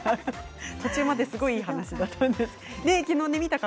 途中まですごいいい話だったんですけどね